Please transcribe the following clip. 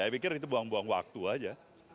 saya pikir itu buang buang waktu saja